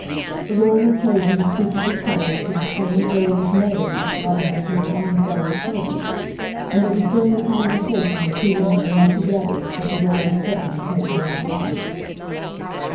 The girl had chosen to speak of her troubles to the strange lady's maid rather than to her own fellow servants, and it was during the conversation the two women had had together that the girl had threatened to take her own life.